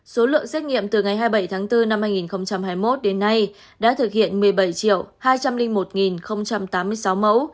số lượng xét nghiệm từ ngày hai mươi bảy tháng bốn năm hai nghìn hai mươi một đến nay đã thực hiện một mươi bảy hai trăm linh một tám mươi sáu mẫu